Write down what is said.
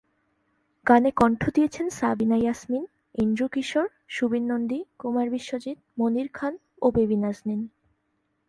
গানে কণ্ঠ দিয়েছেন সাবিনা ইয়াসমিন, এন্ড্রু কিশোর, সুবীর নন্দী, কুমার বিশ্বজিৎ, মনির খান, ও বেবী নাজনীন।